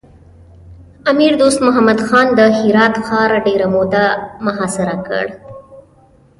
امیر دوست محمد خان د هرات ښار ډېره موده محاصره کړ.